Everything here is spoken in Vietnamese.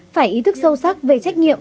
phải ý thức sâu sắc về trách nhiệm